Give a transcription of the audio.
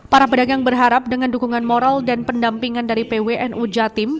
para pedagang berharap dengan dukungan moral dan pendampingan dari pwnu jatim